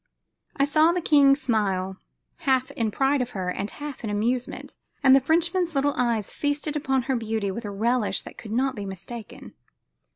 I saw the king smile, half in pride of her, and half in amusement, and the Frenchman's little eyes feasted upon her beauty with a relish that could not be mistaken.